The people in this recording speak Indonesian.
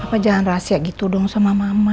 apa jangan rahasia gitu dong sama mama